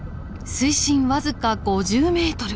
水深僅か５０ｍ。